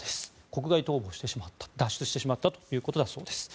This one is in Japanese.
国外逃亡してしまった脱出してしまったということです。